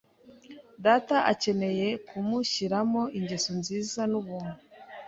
Data akeneye kumushiramo ingeso nziza n'ubuntu